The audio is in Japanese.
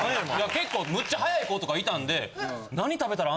結構むっちゃ速い子とかいたんで。